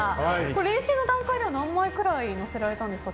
練習の段階では何枚くらい載せられたんですか？